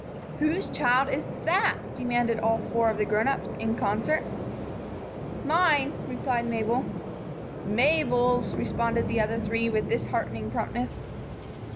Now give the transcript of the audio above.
"Whose child is that?" demanded all four of the grown ups, in concert. "Mine," replied Mabel. "Mabel's," responded the other three, with disheartening promptness.